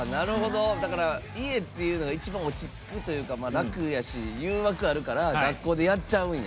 だから、家っていうのが一番落ち着くっていうのが楽やし誘惑あるから学校でやっちゃうんや。